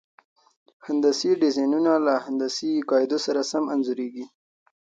هندسي ډیزاینونه له هندسي قاعدو سره سم انځوریږي.